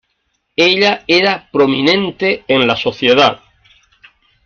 Ella era prominente en la sociedad.